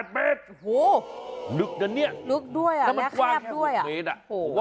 ๘เมตรลึกนะเนี่ยและแคบด้วยนะโอ้โห